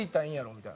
みたいな。